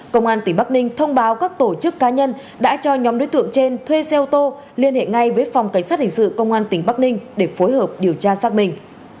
công an tỉnh bắc ninh thông báo các tổ chức cá nhân đã cho nhóm đối tượng trên thuê xe ô tô liên hệ ngay với phòng cảnh sát hình sự công an tỉnh bắc ninh để phối hợp điều tra xác minh